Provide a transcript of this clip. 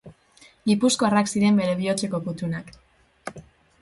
Gipuzkoarrak ziren bere bihotzeko kutunak.